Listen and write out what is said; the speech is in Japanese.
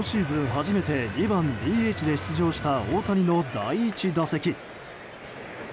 初めて２番ＤＨで出場した、大谷の第１打席。